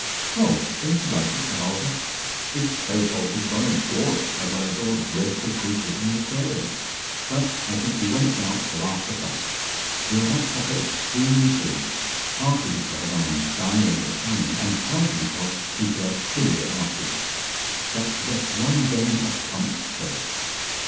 "Oh, don't you like it?" said Olga. "It's so horrible that I adore it, as I adore dreadful creatures in an aquarium. But I think we won't dance till after supper. We'll have supper extremely soon, partly because I am dying of famine, and partly because people are sillier afterwards. But just one game of clumps first.